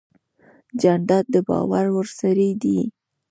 جانداد د باور وړ سړی دی.